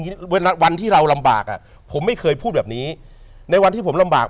วันวันที่เราลำบากอ่ะผมไม่เคยพูดแบบนี้ในวันที่ผมลำบาก